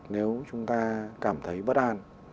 nếu chúng ta cảm thấy bất an